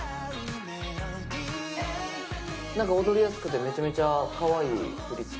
踊りやすくてめちゃめちゃかわいい振り付け。